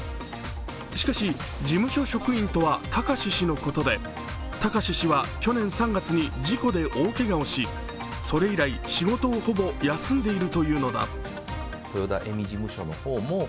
しかし事務所職員とは貴志氏のことで貴志氏は去年３月に事故で大けがをしそれ以来、仕事をほぼ休んでいるというのだ。